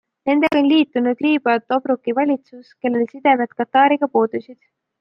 Nendega on liitunud Liibüa Tobruki valitsus, kellel sidemed Katariga puudusid.